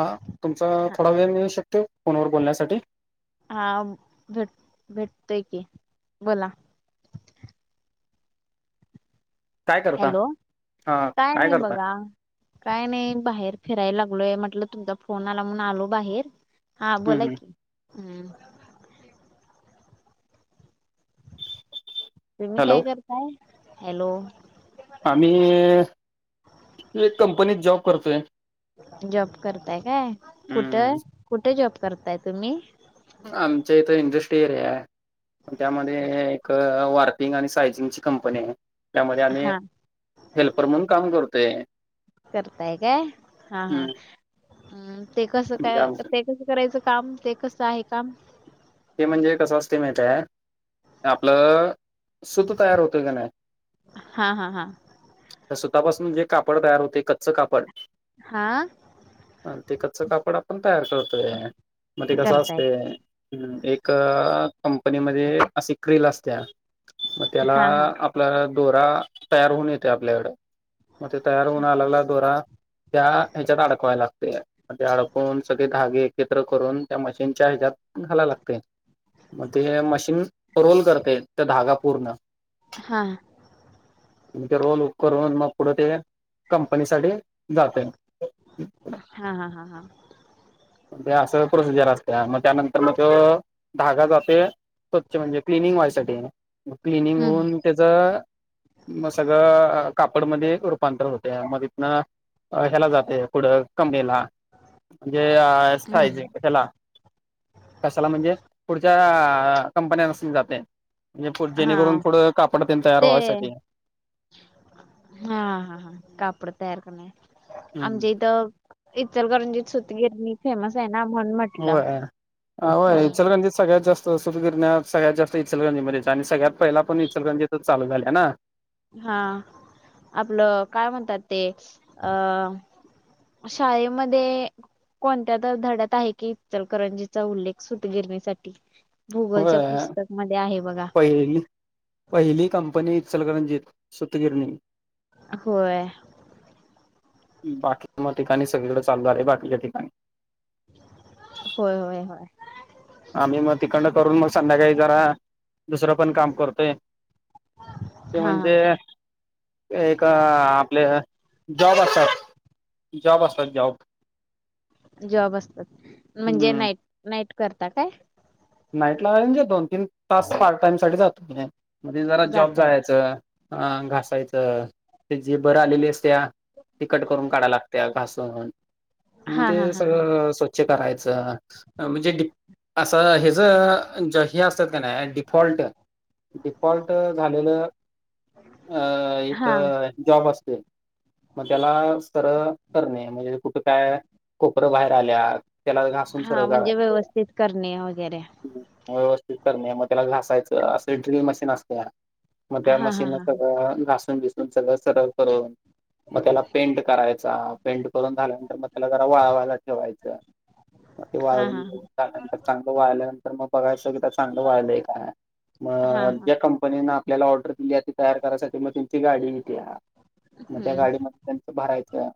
हा तुमचा थोडा वेळ मिळू शकतो फोनवर बोलण्यासाठी, हा भेट भेटतय की बोला, काय करता हॅलो, हा काय नाही करता बघा, काय नाही बाहेर फिरायला लागलोय म्हटलं, तुमचा फोन आला म्हणून आलो बाहेर, हा हं, बोलाय हं. की हम् तुम्ही हॅलो काय करताय. हॅलो, आम्ही एक कंपनीत जॉब करतोय. जॉब करताय काय हं. कुठं? कुठे जॉब करताय तुम्ही, आमच्या इथं इंडस्ट्री एरिया आहे. त्यामध्ये एक वारपिंग आणि सायझिंगची कंपनी आहे. त्यामध्ये आम्ही हा हेल्पर म्हणून काम करतोय. करताय काय? हा हा हं. ते कसं म्हणजे काय? आम कसं करायचं. काम ते कसं आहे काम ते म्हणजे कसं ते माहित हाय, आपलं सुत तयार होतय का नाय, हां हां हां त्या सुतापासून जे कापड तयार होते कच्च कापड हा ते कच्च कापड आपण तयार करतोय मग ते कसं करताय असतय. एक कंपनीमध्ये असे एक क्रिल असत्या मग त्याला हा हा आप आपला दोरा तयार होऊन येतोय. आपल्याकडं मग ते तयार होऊन आलेला दोरा त्या ह्याच्यात अडकवायला लागतोय. ते अडकून सगळे धागे एकत्र करून त्या मशीनच्या हेच्यात घालायला लागतय. मग ते मशीन रोल करते ते धागा पूर्ण, [inaudible] मग ते रोल ओ कर होऊन मग पुढं ते कंपनीसाठी जातय. हा हा हा हा मग असं प्रोसिजर असत्या मग त्यानंतर मग तो, धागा जातोय, स्वच्छ म्हणजे क्लिनिंग व्हायसाठी मग क्लिनिंग हम्म होऊन, तेज मग सगळं कापडमध्ये रूपांतर होतया मग तिथ ह्याला जाते पुढे कंपनीला. ते हा हम्म सायझिंग हेला. कशाला म्हणजे? पुढच्या कंपन्यास्नी जाते. म्हणजे पु, हा जेणेकरून पुढे कापड तेन तयार ते व्हायसाठी. हा हा हा कापड तयार करणे, हम्म आमच्या इथं इचलकरंजीत सुतगिरणी फेमस आहे ना म्हणून म्हटलं. होय आवय हम्म इचलकरंजीत सगळ्यात जास्त तो सुतगिरण्या सगळ्यात जास्त इचलकरंजी मध्ये आणि सगळ्यात पहिला पण इचलकरंजीतच चालू झाल्या ना. हा आपलं काय म्हणतात ते अ शाळेमध्ये कोणत्या तर धड्यात आहे की इचलकरंजीचा उल्लेख सुतगिरणीसाठी. भूगोलच्या होय पुस्तक मध्ये आहे बघा. पहिली पहिली कंपनी इचलकरंजीत सूतगिरणी. होय [inaudible] बाकीच्या ठिकाणी सगळीकडें चालू झाले आहे बाकीच्या ठिकाणी. [inaudible] होय होय होय. आम्ही मग तिकंड करून मग संध्याकाळी जरा दुसरं पण काम करतोय. [inaudible] ते हा हा म्हणजे हा एक आपले जॉब असतात. जॉब असतात जॉब जॉब असतात, म्हणजे हम्म नाईट-नाईट करता काय? नाईट ला म्हणजे दोन-तीन तास पार्ट टाइम साठी जातोे म्हणजे. मध्ये जरा जॉब जातय जायचं, घासायचं ते जे बर आलेली असत्या. ते कट करून काढायला लागत्या घासून मग हा हा ते हा हा सगळं स्वच्छ स्वच्छ करायचं म्हणजे डीप असं हे द ज हे असत्यात कणी डिफॉल्ट. डिफॉल्ट झालेलं अ एक हा जॉब असतोय मग त्याला सरळ करणे म्हणजे कुठे काय कोपरं बाहेर आल्यात त्याला घासून हा सरळ म्हणजे करायचं. व्यवस्थित करणे वगैरे. व्यवस्थित करणे मग त्याला घासायचं असं एक ड्रिल मशीन असत्या. मग हा त्या हा मशीनं हा सगळं घासून-बिसून सगळं सरळ करून. [unintelligible] मग त्याला पेंट करायचा, पेंट करून झाल्यानंतर मग त्याला जरा वाळवायला ठेवायचं. मग ते हा हा वाळवून-बिळवून झाल्यानंतर चांगलं वाळल्यानंतर मग बघायचं एकदा चांगलं वाळलंय काय. हा मग हा जे कं पनीनं आपल्याला ऑर्डर दिल्या ती तयार करायसाठी मग तेची गाडी येत्या. मग त्या हम्म गाडीम त्यांचं भरायचं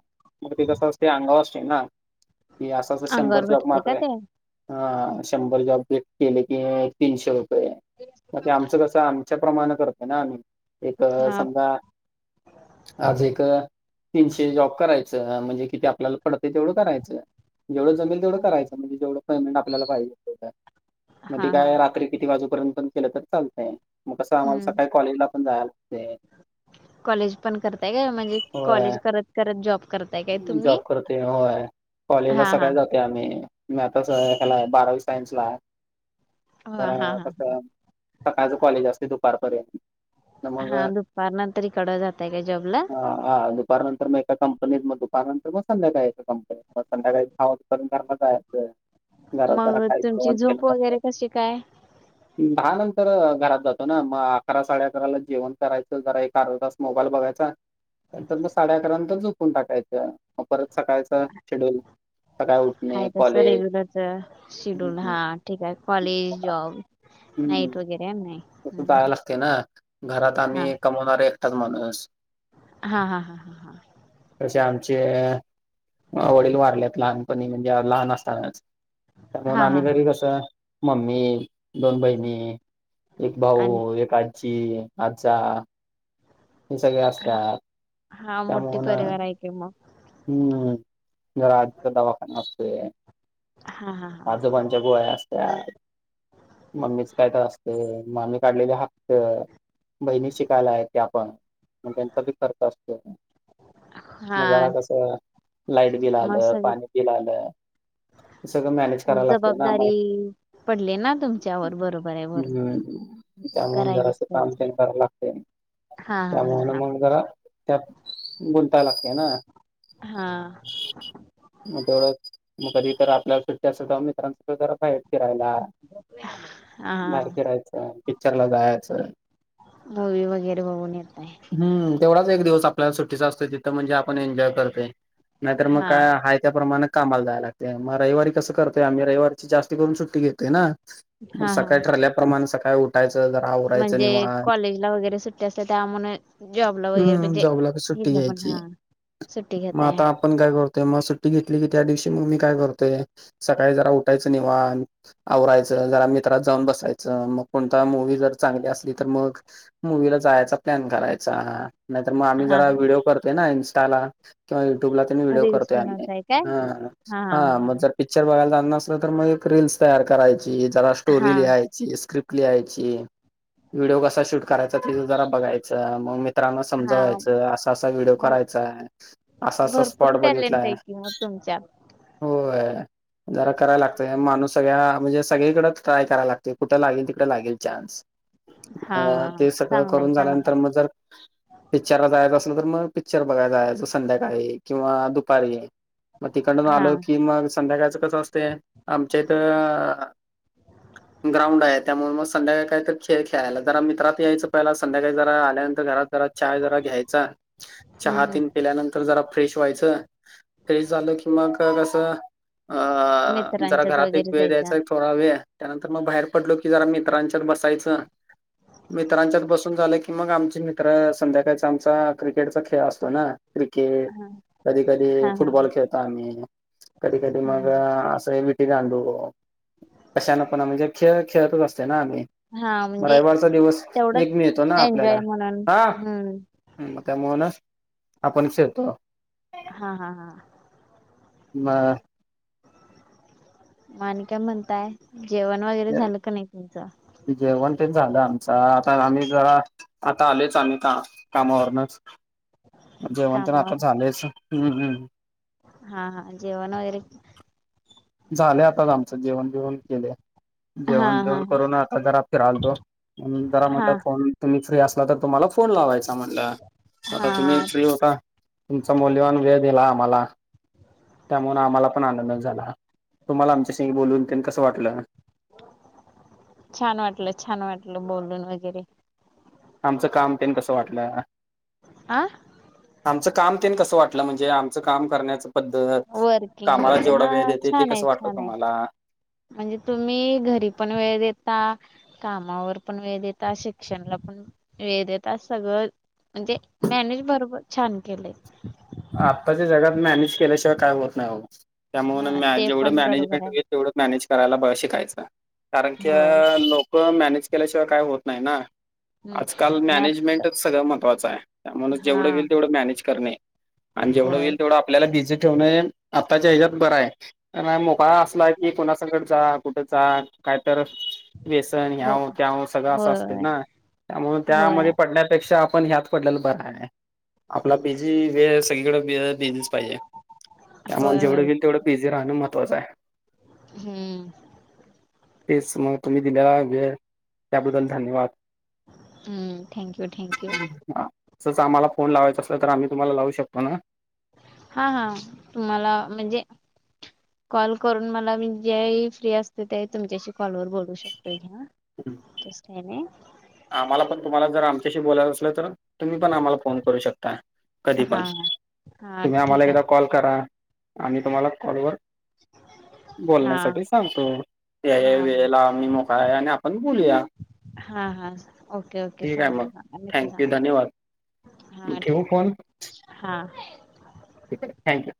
मग ते कसं असतयं अंगावर असतय ना. की असं असं शंभर अंगावर जॉब भेटते माग. का ते [inaudible] हा शंभर जॉब गट केले की तीनशे रुपये. मग ते आमचं कसं तेच्या प्रमाणं करतोय ना आम्ही एक हा समजा आज एक तीनशे जॉब करायचं म्हणजे किती आ आपल्याला पडतयं तेवढं करायचं, जेवढं जमेल तेवढं करायचं, म्हणजे जेवढं पेमेंट आपल्याला पाहिजे. मग हा ते हा काय रात्री किती वाजूपर्यंत पण केलं तर चालतंय. मग कसं आम्हाला हम्म सकाळी कॉलेजला पण जायाला लागतंय. कॉलेज पण करताय काय? म्हणजे कॉलेज होय करत करत जॉब करताय काय जॉब तुम्ही? हा हा. ते आम्ही मॅथ्सला बारावी सायन्स ला आहे. हा जरा हा हा कसं. सकाळचं कॉलेज असतयं दुपारपर्यंत. तर मग हा दुपारनंतर इकडं जाताय काय जॉबला? अ, हा दुपारनंतर मग एका कंपनीत मग दुपारनंतर मग संध्याकाळी कंपनीत मग संध्याकाळी दहा वाजेपर्यंत घरला जायाचं. मग तुमची झोप वगैरे कशी काय? दहा नंतर घरात जातो ना मग अकरा साडे अकराला जेवण करायचं जरा एक अर्धा तास मोबाईल बघायचा. नंतर मग साडे अकरा नंतर झोपून टाकायचं. मग परत सकाळचं शेड्यूल सकाळी उठणे, हाय तसं कॉलेज रेग्युलरच हं, शेड्यूल हा ठीक आहे. कॉलेज, जॉब नाईट वगैरे नाही. मग ते हम्म, जायाला हम्म. लागतयं ना. घरात आम्ही हा कमवणारं एकटाच माणूस. हा हा हा हा. तसे आमचे वडील वारल्यात लहानपणी म्हणजे लहान असतानच. त्यामुळ हा हा आम्ही हा घरी कसं? मम्मी, दोन बहिणी, एक आणि भाऊ, एक आजी, आज्जा. हा. हा मोठी परिवार आहे की मग. हूं. जरा आजीचा दवाखाना असतोय. हा हा हा आजोबांच्या गोळ्या अस [unintelligible] मम्मीच कायतर असतयं. आम्ही काढलेली हफ्तं. बहिणी शिकायला आहेत त्या पण. मग त्यांचा बी खर्च असतोय ना. मग जरा हा कसं लाइट बिल मग आलं, सगळ पाणी बिल आलं. हे सगळं मॅनेज मग कराय लागतंय ना मग. जबाबदारी पडले ना तुमच्यावर बरोबर आहे बरोबर हं. आहे. मग त्यामुळं करायलाच जरासं काम पाहिजे तेन कराला लागतंय. हा हा त्यामुळं हा मग जरा त्यात गुंताय लागतंय ना. हा. मग तेवढंच मग कधी तर आपल्याला सुट्टी असल तवा मित्रांसंग जरा बाहेर फिरायला. हा बाहेर हा फिरायचं, पिकच्चर ला जायाचं. मूवी वगैरे बघून येताय. हूं. तेवढाच एक दिवस आपल्याला सुट्टीचा असतोय तिथं म्हणजे आपण एन्जॉय करतोय. नाहीतर मग हा काय हाय त्या प्रमाणे कामाला जायला लागतंय. मग रविवारी कस करतय आम्ही रविवारची जास्ती करून सुट्टी घेतोय ना. म हा हा सकाळी ठरल्याप्रमाणे सकाळी उठ उठायचं. जरा आवरायचं म्हणजे निवांत कॉलेजला वगैरे सुट्टी असते त्यामु जॉबला वगैरे हम्म म्हणजे जॉबला सुट्टी घ्यायची‌. सुुट्टी घेताय. आपण काय करतय मग सुट्टी घेतली की त्या दिवशी मग मी काय करतेय सकाळी जरा उठायचं वांत आवरायच जरा मित्रात जाऊन बसायच मग कोणता मुव्ही जर चांगली असली तर मग मुव्ही जायचा प्लान करायचा. नाही तर मग आम्ही हा जरा व्हिडिओ करतोय ना इन्स्टाला किंवा युट्युबला त्यांनी व्हिडीओ रील्स करतोय आम्ही बनवताय काय हा हा मग जर पिक्चर बघायला जाच नसलं तर मग एक रील्स तयार करायची जरा हा हा स्टोरी लिहा स्क्रिप्ट लिहायची. व्हिडिओ कसा शूट करायचा तेज जरा बघायच. मग मी मित्रांना हा समजवायचं असा असा व्हडिओ मग करायचाय हाय. असा असा भरपूर स्पॉट टॅलेंट बघितलाय. आहे कि मग तुमच्यात होय. जरा कराय लागतंय, माणूस सगळ्या म्हणजे सगळीकडंच ट्राय कराय लागतंय, कुठं लागेल तिथं लागेल चा्न्स. हा अ ते सगळं चांगलाय करून चांगलाय झाल्यानंतर मग जर पिच्चरला जायाचं असल तर मग पिच्चर बघाया जायाचं संध्याकाळी किंवा दुपारी. मग तिकंडून हा आलो की मग, संध्याकाळचं कसं असतंय आमच्या इथंअ [unintelligible] ग्राउंडाय त्यामुळे मग संध्याकाळी काय तर खेळ खेळायला, जरा मित्रात यायचं पहिला, संध्याकाळी जरा आल्यानंतर घरात जरा चाय जरा घ्यायचा, हम्म चहात हम्म त्यानंतर जरा फ्रेश व्हायचं, फ्रेश झालं कि मग कसं ए अंआ, जरा मित्रांच्यात घरात एक वगैरे वेळ जायच्या द्यायचा थोरा वेळ, त्यानंतर मग बाहेर पडलो की जरा मित्रांच्यात बसायचं मित्रांच्यात बसून झाल की मग आमचे मित्रं, संध्याकाळीच आमचा क्रिकेटचा खेळ असतो ना. क्रिकेट, कधी कधी हा हा फुटबॉल खेळतो आमीई. कधी कधी मगअ हम्म असंय, विटी दांडू, कशान पणा म्हणजे खेळ खेळतच असतो तोन आम्ही, हा म्हणजे रैवारचा दिवस तेवढंच एक मिळतो ना एन्जॉय आपल्याला. म्हणून आ हम्म मग त्यामुळं न आपणच येतो. हा हा हा. बंर म आनि काय म्हणताय? जेवण वगरे झालं का नाही तुमचं? जेवण तेच झालं आमचं, आता आमी जरा, आता आलेच आमी ता कामावरनच, जेवण तर आता कामावर झालयसा, हं हं आ हा हा, जेवण वगरे झालंय आताच आमचं जेवण बीवण केले, हा जेवण हा बिवण करून आता जरा फिराल आल्तो. जरा हा हा म्हणलं, फोन तुम्ही फ्री असला तर तुम्हाला फोन लावायचा म्हणलं. आता तुम्ही हा फ्री होता तुमचा मौल्यवान वेळ दिला आम्हाला त्यामुळे आम्हाला पण आनंद झाला. तुम्हाला आमच्याशिंग बोलून तेन कसं वाटलं? छान वाटलं, छान वाटलं बोलून वगरे. आमचं काम तेन कसं वाटलं? आं? आमचं काम तेन कसं वाटलं? म्हणजे आमचं काम करण्याचं पद्धतच, वर्किंग कामाला वगैरे जेवढा हा वेळ देते ते छान आहे कसं वाटतं छान आहे तुम्हाला? म्हणजे तुम्ही घरी पण वेळ देता कामावर पण वेळ देता, शिक्षणला पण वेळ देता, सगळं, म्हणजे मॅनेज बरोबर छान केलेय. आत्ताच्या जगात मॅनेज केल्याशिवाय काय होत नाही हो. त्यामुळे हा न ते जेवढं पण बरोबर मॅनेजमेंट आहे होईल तेवढं मॅनेज करायला शिकायचं. कारण की, हो लोकं मॅनेज केल्याशिवाय काय होत नाही ना? हम्म आजकाल आणि आत मॅनेजमेंटच सगळं महत्त्वाचंय, त्यामुळे जेवढं हां होईल तेवढं मॅनेज करणंय. आन जेवढं होय. होईल तेवढं आपल्याला बिझी ठेवणंय आत्ताच्या हेज्यात बरंय, कार मुभा असला की कुणा सकट जा, कु जा अन काय तर बेसन हो ह्याव त्याव सगळं असं असतंय होय, ना? त्यामुळे त्यामध्ये होय, पडण्यापेक्षा आपण ह्यात पडल तर बरंय, आपला बीझी वेळ सगळीकडे [unintelligible] दिलीच पाहिजे. त्यामुळे होय, जेवढं होय होईल तेवढं बीझी राहणं महत्त्वाचंय. हम्म. तेच मग तुम्ही दिल्याला वेळ त्याबद्दल धन्यवाद. हम्म थँक्यू, थँक्यू हा असंच आम्हाला फोन लावायचा असलं तर आम्ही तुम्हांला लावू शकतो ना? हा हा मला म्हणजे कॉल करून मला मी ज्यावेळी फ्री असतोय त्यावेळी तुमच्याशी कॉलवर बोलू शकतोय की, हां... तस काय नाही. आम्हांला पण तुम्हांला जर आमच्याशी बोलायचं असलं तर, तुम्हीं पण आम्हाला फोन करू शकताय. कधीपण हां हां तुम्हीं आम्हांला ठीक आहे एकदा कॉल करा, आम्हीं तुम्हांला कॉलवर हां. बोलण्यासाठी सांगतो या-या हां वेळेला आम्हीं मो काय आणि आपण बोलूया. हां.. हा.. ओके-ओके, ठीक आहे सांगा, मग. नक्की थँक्यू सांगा, धन्यवाद हां ठेवू ठीक फोन आहे. हा. ठीक आहे थँक्यू.